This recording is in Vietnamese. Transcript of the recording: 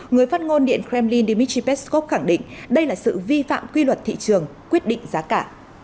người phát ngôn điện kremlin dmitry peskov khẳng định đây là sự vi phạm quy luật thị trường quyết định giá cả